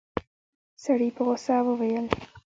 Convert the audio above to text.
سړي په غوسه وويل.